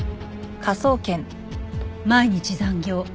「毎日残業」